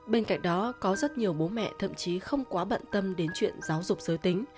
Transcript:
bên cạnh đó có rất nhiều bố mẹ thậm chí không quá bận tâm đến chuyện giáo dục giới tính